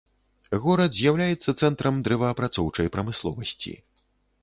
Горад з'яўляецца цэнтрам дрэваапрацоўчай прамысловасці.